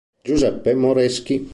Giuseppe Moreschi